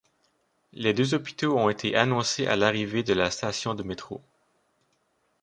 Les deux hôpitaux ont été annoncés à l'arrivée de la station de métro.